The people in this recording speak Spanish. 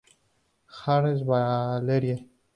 Hansen, Valerie.